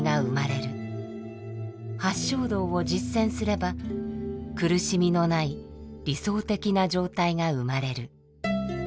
八正道を実践すれば苦しみのない理想的な状態が生まれる。